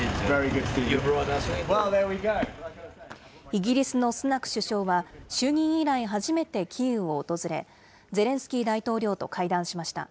イギリスのスナク首相は、就任以来初めてキーウを訪れ、ゼレンスキー大統領と会談しました。